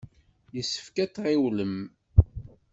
Yessefk ad tɣiwlem.